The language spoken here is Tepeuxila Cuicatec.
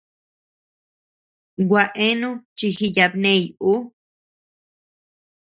Gua eanu chi jiyabney ú.